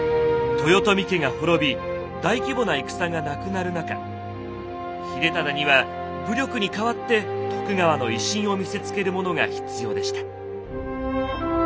豊臣家が滅び大規模な戦がなくなる中秀忠には武力に代わって徳川の威信を見せつけるものが必要でした。